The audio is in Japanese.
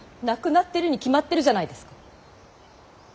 亡くなってるに決まってるじゃないですか。